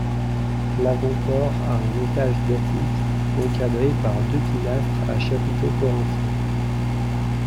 L'avant-corps a un étage d'attique encadré par deux pilastres à chapiteau corinthien.